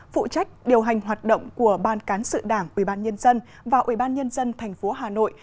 phụ trách điều hành hoạt động của ban cán sự đảng ubnd và ubnd tp hà nội